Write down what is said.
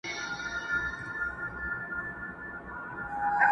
وخت به تېر وي نه راګرځي بیا به وکړې ارمانونه.!